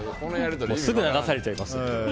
すぐ流されちゃいますので。